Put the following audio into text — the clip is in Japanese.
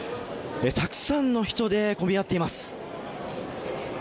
たくさんの人で混み合っています。